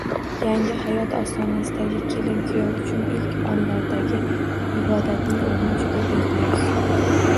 Yangi hayot ostonasidagi kelin-kuyov uchun ilk onlardagi ibodatning o‘rni juda beqiyos.